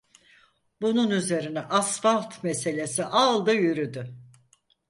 Bunun üzerine asfalt meselesi aldı yürüdü.